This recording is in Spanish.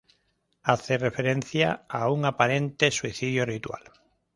Hace referencia a un aparente suicidio ritual.